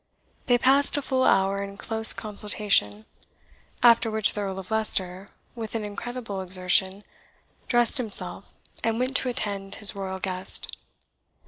They passed a full hour in close consultation; after which the Earl of Leicester, with an incredible exertion, dressed himself, and went to attend his royal guest.